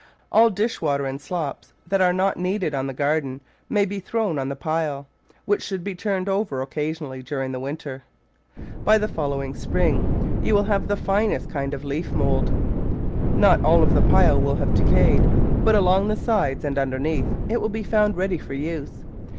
All dish water and slops that are not needed on the garden may be thrown on the pile, which should be turned over occasionally during the winter. By the following spring you will have the finest kind of leaf mould. Not all of the pile Digitized by Google 22 The Flower Garden will have decayed, but along the sides and underneath it will be found ready for use.